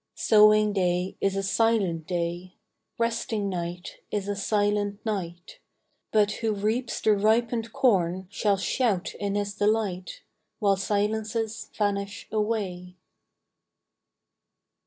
Sowing day is a silent day, Resting night is a silent night; But who reaps the ripened corn Shall shout in his delight, While silences vanish away.